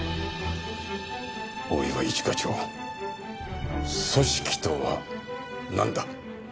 大岩一課長組織とはなんだ？